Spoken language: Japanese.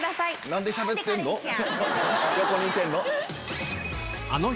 何でしゃべってんの？